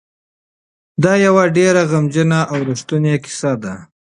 دا یوه ډېره غمجنه او رښتونې کیسه ده.